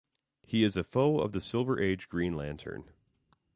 He is a foe of the Silver Age Green Lantern.